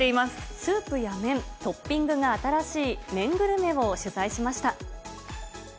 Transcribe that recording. スープや麺、トッピングが新しい、麺グルメを取材しました。